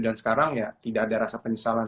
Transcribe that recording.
dan sekarang ya tidak ada rasa penyesalan